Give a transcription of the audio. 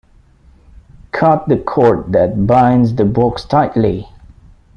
Cut the cord that binds the box tightly.